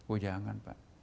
oh jangan pak